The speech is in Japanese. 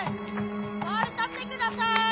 ボール取ってください！